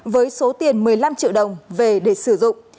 với số tiền một mươi năm triệu đồng về để sử dụng